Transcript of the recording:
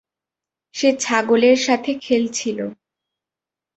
সে ছাগলের সাথে খেলছিলো।